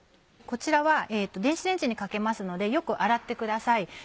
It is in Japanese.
こちらは電子レンジにかけますのでよく洗ってください。